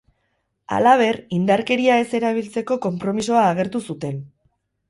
Halaber, indarkeria ez erabiltzeko konpromisoa agertu zuten.